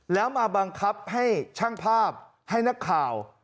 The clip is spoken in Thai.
แล้วมาบังคับให้ช่างภาพให้นักข่าว